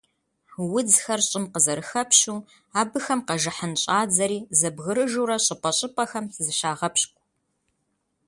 Удзхэр щIым къызэрыхэпщу, абыхэм къэжыхьын щIадзэри зэбгрыжурэ щIыпIэ-щIыпIэхэм зыщагъэпщкIу.